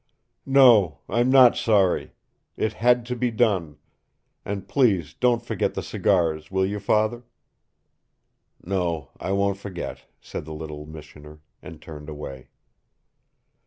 "No, I'm not sorry. It had to be done. And please don't forget the cigars, will you, Father?" "No, I won't forget," said the little missioner, and turned away.